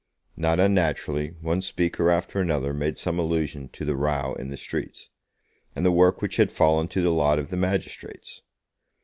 Not unnaturally, one speaker after another made some allusion to the row in the streets, and the work which had fallen to the lot of the magistrates.